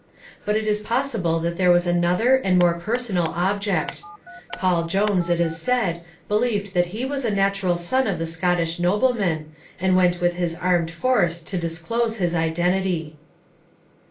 But it is possible that there was another and more personal object. Paul Jones, it is said, believed that he was a natural son of the Scottish nobleman, and went with this armed force to disclose his identity.